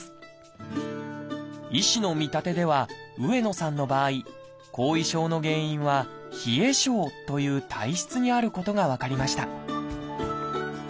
医師の見立てでは上野さんの場合後遺症の原因はという体質にあることが分かりました